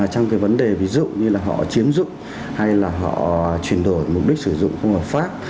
trong cái vấn đề ví dụ như là họ chiếm dụng hay là họ chuyển đổi mục đích sử dụng không hợp pháp